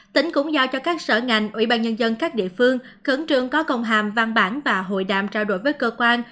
tỉnh cũng giao cho các sở ngành ủy ban nhân dân các địa phương khẩn trương có công hàm văn bản và hội đàm trao đổi với cơ quan